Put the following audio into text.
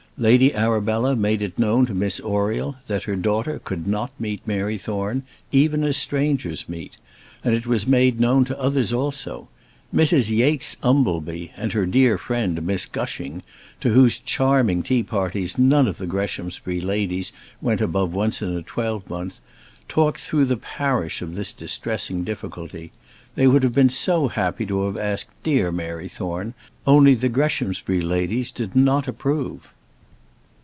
Lady Arabella made it known to Miss Oriel that her daughter could not meet Mary Thorne, even as strangers meet; and it was made known to others also. Mrs Yates Umbleby, and her dear friend Miss Gushing, to whose charming tea parties none of the Greshamsbury ladies went above once in a twelvemonth, talked through the parish of this distressing difficulty. They would have been so happy to have asked dear Mary Thorne, only the Greshamsbury ladies did not approve.